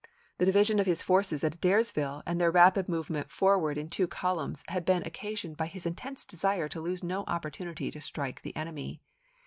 The division of his forces at Adairsville chap.i. and their rapid movement forward in two columns had been occasioned by his intense desire to lose no opportunity to strike the enemy.